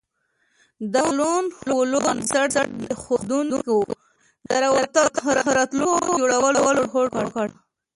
د لون وولف بنسټ ایښودونکو د راتلونکي جوړولو هوډ وکړ